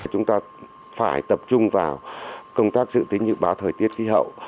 chúng ta phải tập trung vào công tác dự tính dự báo thời tiết khí hậu